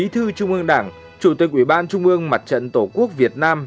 trung ương mặt trận tổ quốc việt nam